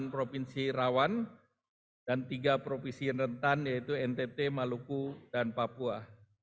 delapan provinsi rawan dan tiga provinsi rentan yaitu ntt maluku dan papua